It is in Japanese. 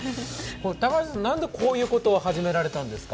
高橋さん、なんでこういうことを始められたんですか。